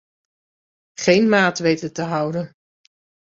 Geen maat weten te houden.